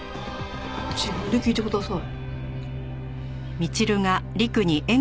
自分で聞いてください。